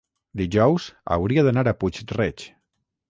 dijous hauria d'anar a Puig-reig.